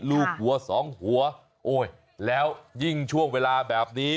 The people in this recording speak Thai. ลูกหัวสองหัวโอ้ยแล้วยิ่งช่วงเวลาแบบนี้